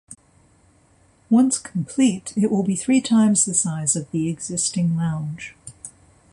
Once complete, it will be three times the size of the existing lounge.